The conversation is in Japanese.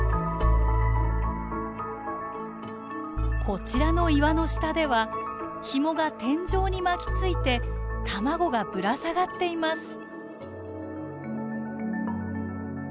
こちらの岩の下ではヒモが天井に巻きついて卵がぶら下がっています。